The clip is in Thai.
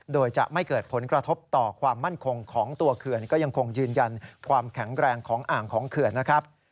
โดยจะไม่เกิดผลกระทบต่อความมั่นคงของตัวเขื่อนก็ยังคงยืนยันความแข็งแรงของอ่างของเขื่อนนะครับ